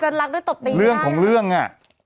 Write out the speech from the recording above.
นี่เรื่องของเรื่องน่ะ